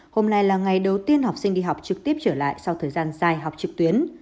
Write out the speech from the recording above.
hôm nay là ngày đầu tiên học sinh đi học trực tiếp trở lại sau thời gian dài học trực tuyến